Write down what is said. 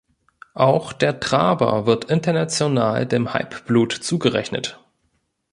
Auch der Traber wird international dem Halbblut zugerechnet.